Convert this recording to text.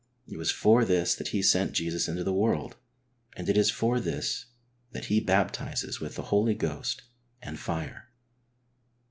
It was for this that He sent Jesus into the world, and it is for this that He baptises with the Holy Ghost and fire.